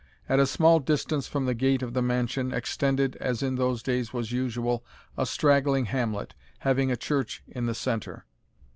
At a small distance from the gate of the mansion, extended, as in those days was usual, a straggling hamlet, having a church in the centre.